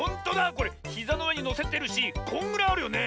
これひざのうえにのせてるしこんぐらいあるよね？